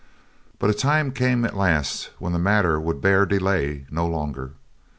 But a time came at last when the matter would bear delay no longer.